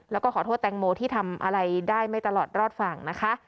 แล้วก็ขอโทษแตงโมที่ทำอะไรได้ไม่ตลอดรอดฝั่งนะคะ